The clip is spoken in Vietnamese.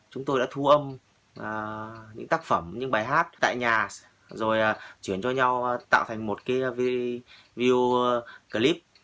chúng tôi đã thu âm những tác phẩm những bài hát tại nhà rồi chuyển cho nhau tạo thành một cái video clip